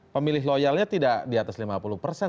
pemilih loyalnya tidak di atas lima puluh persen